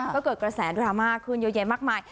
ก็เกิดกระแสดราม่าขึ้นเยอะแยะมากมาย